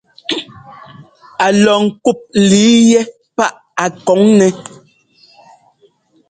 Á lɔ ŋkûp líi yɛ́ paʼa a kɔn nɛ́.